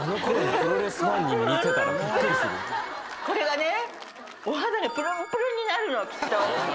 これがね。